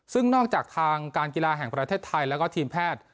ซึ่งนอกจากทางการกีฬาแห่งประเทศไทยแล้วก็ทีมแพทย์